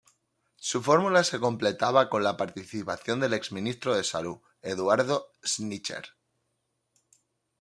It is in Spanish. Su fórmula se completaba con la participación del ex-ministro de Salud, Eduardo Schneider.